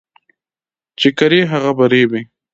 چي کرې، هغه به رېبې.